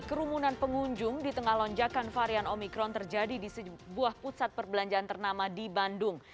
kerumunan pengunjung di tengah lonjakan varian omikron terjadi di sebuah pusat perbelanjaan ternama di bandung